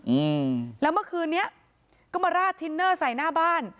อืมแล้วเมื่อคืนเนี้ยก็มาราดทินเนอร์ใส่หน้าบ้าน